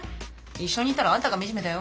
一緒にいたらあんたが惨めだよ。